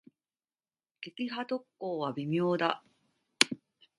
撃破特攻は微妙だ。